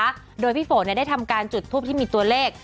นะคะโดยพี่ฝนเนี่ยได้ทำการจุดทูปที่มีตัวเลข